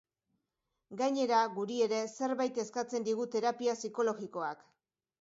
Gainera, guri ere zerbait eskatzen digu terapia psikologikoak.